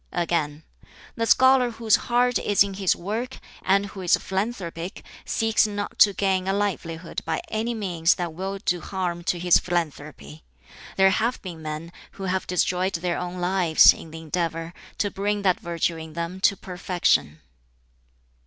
Again, "The scholar whose heart is in his work, and who is philanthropic, seeks not to gain a livelihood by any means that will do harm to his philanthropy. There have been men who have destroyed their own lives in the endeavor to bring that virtue in them to perfection."